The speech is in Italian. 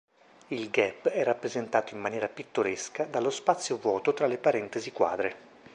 Il gap è rappresentato in maniera "pittoresca" dallo spazio vuoto tra le parentesi quadre.